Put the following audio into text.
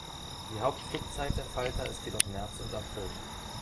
Die Hauptflugzeit der Falter ist jedoch März und April.